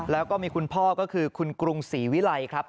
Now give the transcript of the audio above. แล้วก็มีคุณพ่อก็คือคุณกรุงศรีวิลัยครับ